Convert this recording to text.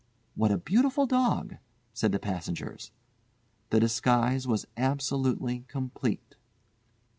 "What a beautiful dog," said the passengers. The disguise was absolutely complete.